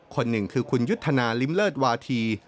คนหนึ่งคือคุณยุทธนาลิ้มเลิศวาธี